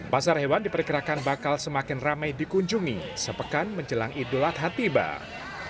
pasar hewan diperkirakan bakal semakin ramai dikunjungi sepekan menjelang idulat hati bak